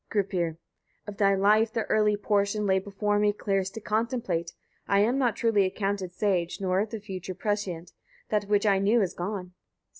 Gripir. 21. Of thy life the early portion lay before me clearest to contemplate. I am not truly accounted sage, nor of the future prescient: that which I knew is gone.